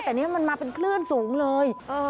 แต่นี่มันมาเป็นคลื่นสูงเลย